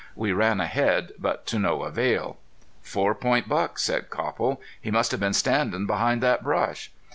We ran ahead, but to no avail. "Four point buck," said Copple. "He must have been standin' behind that brush."